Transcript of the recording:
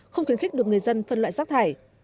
không khuyến khích được người dân phân loại rác thải